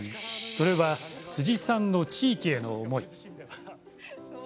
それは辻さんの地域への思い。